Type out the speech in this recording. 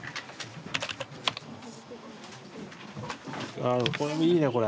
ああこれもいいねこれ。